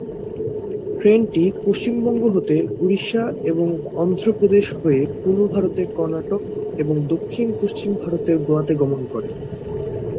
ট্রেনটি পশ্চিম বঙ্গ হতে উড়িষ্যা এবং অন্ধ্র প্রদেশ হয়ে পূর্ব ভারতের কর্ণাটক এবং দক্ষিণ-পশ্চিম ভারতের গোয়াতে গমন করে।